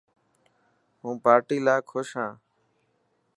هون پارٽي لاءِ خوش هان.